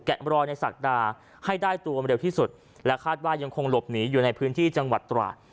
รอยในศักดาให้ได้ตัวเร็วที่สุดและคาดว่ายังคงหลบหนีอยู่ในพื้นที่จังหวัดตราด